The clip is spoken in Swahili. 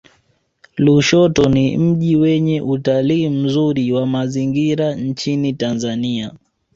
lushoto ni mji wenye utalii mzuri wa mazingira nchini tanzania